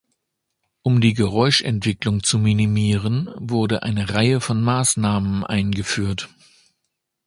Um die Geräuschentwicklung zu minimieren, wurde eine Reihe von Maßnahmen eingeführt.